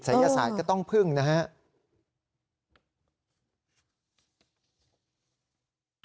ยศาสตร์ก็ต้องพึ่งนะครับ